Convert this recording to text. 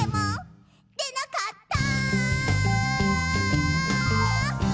「でなかった！」